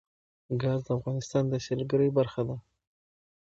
ګاز د افغانستان د سیلګرۍ برخه ده.